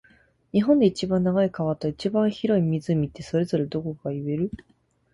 日本で一番長い川と、一番広い湖って、それぞれどこか言える？